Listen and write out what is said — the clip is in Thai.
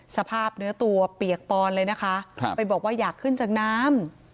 สภาพเนื้อตัวเปียกปอนเลยนะคะไปบอกว่าอยากขึ้นจากน้ำ